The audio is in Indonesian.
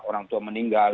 orang tua meninggal